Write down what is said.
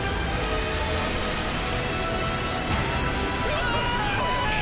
うわ！